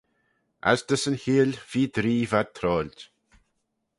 As dys yn cheeill feer dree v'ad troailt.